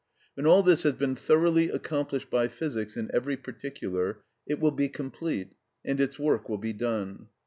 When all this has been thoroughly accomplished by physics in every particular, it will be complete, and its work will be done.